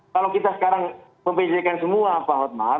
kalau kita sekarang membejarkan semua pak watmar